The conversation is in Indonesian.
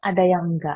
ada yang enggak